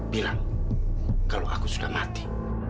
bilang kalau aku sudah mati